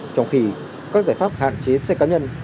trong khi các giải pháp hạn chế xe cá nhân